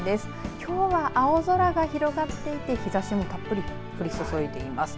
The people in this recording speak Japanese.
きょうは青空が広がっていて日ざしもたっぷり降り注いでいます。